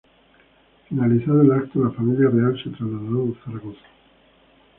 Finalizado el acto, la familia real, se trasladó a Zaragoza.